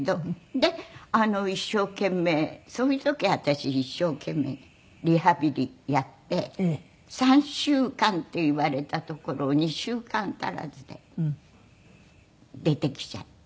で一生懸命そういう時私一生懸命にリハビリやって３週間って言われたところを２週間足らずで出てきちゃって。